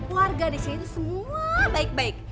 warga disini semua baik baik